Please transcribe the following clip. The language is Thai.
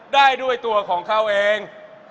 ได้ด้วยตัวของเขาเอง